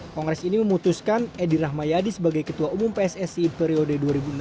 kongres ini memutuskan edi rahmayadi sebagai ketua umum pssi periode dua ribu enam belas dua ribu dua